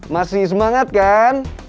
masih semangat kan